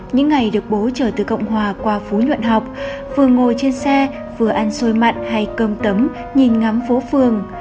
những ngày được bố trở từ cộng hòa qua phú nhuận học vừa ngồi trên xe vừa ăn xôi mặn hay cơm tấm nhìn ngắm phố phường